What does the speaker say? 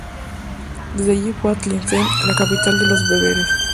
Desde allí fue a Tlemcen, la capital de los Bereberes.